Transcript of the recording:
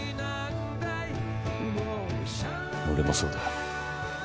俺もそうだ。